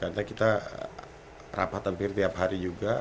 karena kita rapat hampir tiap hari juga